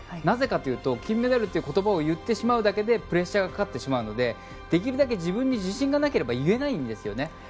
なぜかというと金メダルという言葉を言ってしまうだけでプレッシャーがかかってしまうのでできるだけ自分に自信がなければ言えないんですよね。